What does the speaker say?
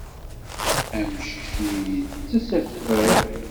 Amcic-nni yettess akeffay.